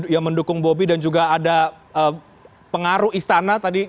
yang mendukung bobby dan juga ada pengaruh istana tadi